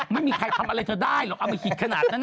ไม่มีใครทำอะไรเธอได้หรอกเอาไปหิดขนาดนั้น